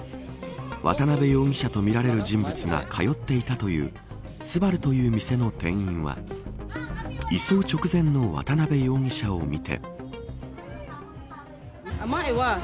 渡辺容疑者とみられる人物が通っていたというすばるという店の店員は移送直前の渡辺容疑者を見て。